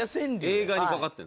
映画に掛かってる？